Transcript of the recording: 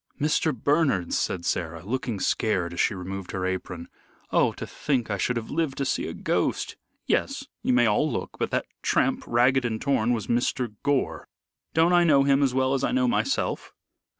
"Mr. Bernard's," said Sarah, looking scared, as she removed her apron. "Oh, to think I should have lived to see a ghost. Yes, you may all look, but that tramp, ragged and torn, was Mr. Gore. Don't I know him as well as I know myself?"